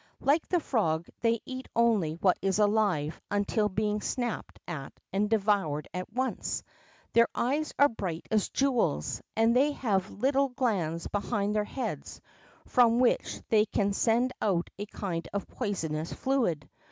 Like the frog, they eat only what is alive until being snapped at and devoured at once. Their eyes are bright as jewels, and they have little glands behind their heads from which they can send out a kind of poisonous fluid.